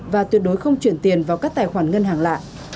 và tuyệt đối không chuyển tiền vào các tài khoản ngân hàng lạ